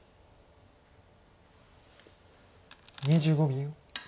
２５秒。